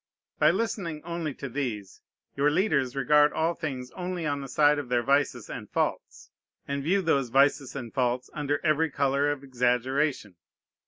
By listening only to these, your leaders regard all things only on the side of their vices and faults, and view those vices and faults under every color of exaggeration.